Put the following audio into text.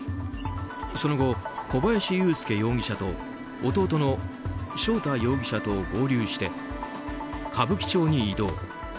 その後、小林優介容疑者と弟の翔太容疑者と合流して歌舞伎町に移動。